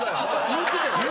⁉言うてたよね。